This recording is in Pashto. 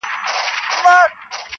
• چي راغلی یې پر ځان د مرګ ساعت وي -